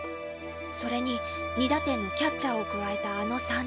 それに２打点のキャッチャーを加えたあの３人。